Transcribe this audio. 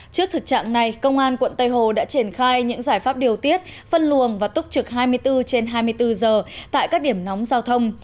trước thực trạng này công an quận tây hồ đã triển khai những giải pháp điều tiết phân luồng và túc trực hai mươi bốn trên hai mươi bốn giờ tại các điểm nóng giao thông